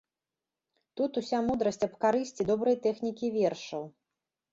Тут уся мудрасць аб карысці добрай тэхнікі вершаў.